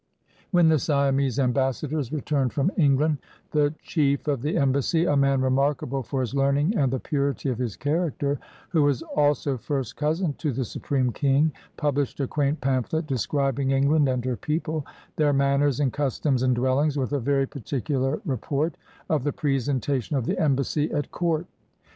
When the Siamese ambassadors returned from Eng land, the chief of the embassy — a man remarkable for his learning and the purity of his character, who was also first cousin to the Supreme King — published a quaint pamphlet, describing England and her people, their manners and customs and dwelUngs, with a very particular report of the presentation of the embassy at court.